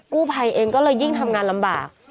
กู้ภัยเองก็เลยยิ่งทำงานลำบาก